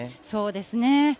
そうですね。